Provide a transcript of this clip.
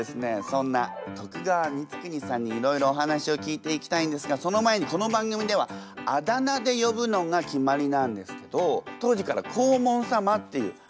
そんな徳川光圀さんにいろいろお話を聞いていきたいんですがその前にこの番組ではあだ名でよぶのが決まりなんですけどハハッ